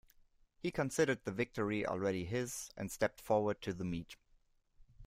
He considered the victory already his and stepped forward to the meat.